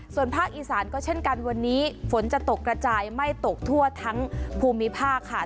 ส่วนภาคอีสานก็เช่นกันวันนี้ฝนจะตกกระจายไม่ตกทั่วทั้งภูมิภาคค่ะ